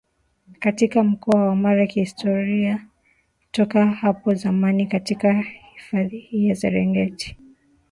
katika Mkoa wa Mara Kihistoria toka hapo zamani katika hifadhi hii ya Serengeti